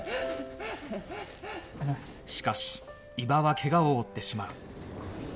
しかし伊庭は怪我を負ってしまう